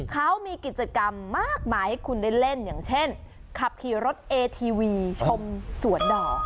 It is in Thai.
เขามีกิจกรรมมากมายให้คุณได้เล่นอย่างเช่นขับขี่รถเอทีวีชมสวนด่อ